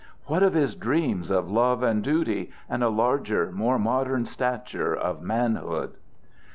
What of his dreams of love and duty, and a larger, more modern stature of manhood?